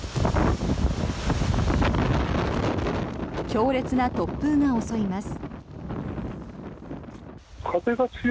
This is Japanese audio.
強烈な突風が襲います。